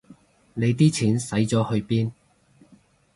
你啲錢使咗去邊